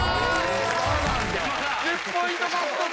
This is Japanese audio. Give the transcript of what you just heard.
１０ポイント獲得！